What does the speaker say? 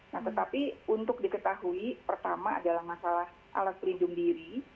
nah tetapi untuk diketahui pertama adalah masalah alat pelindung diri